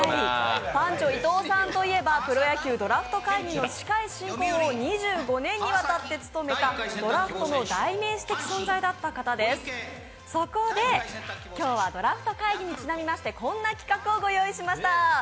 パンチョ伊東さんといえばプロ野球ドラフト会議の司会進行を２５年にわたって務めたドラフトの代名詞的存在だった方です、そこで今日はドラフト会議にちなみましてこんな企画をご用意しました。